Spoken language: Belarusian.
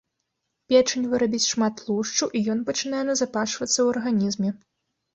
Печань вырабіць шмат тлушчу і ён пачынае назапашвацца ў арганізме.